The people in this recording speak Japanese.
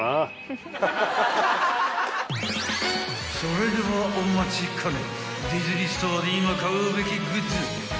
［それではお待ちかね］